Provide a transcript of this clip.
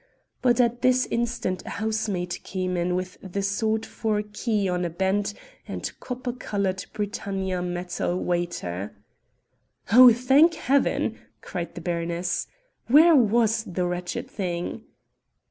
But at this instant a housemaid came in with the sought for key on a bent and copper colored britannia metal waiter. "Oh, thank Heaven!" cried the baroness, "where was the wretched thing?"